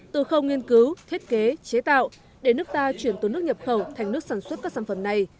từ khâu nghiên cứu thiết kế chế tạo để nước ta chuyển từ nước nhập khẩu thành nước sản xuất các sản phẩm này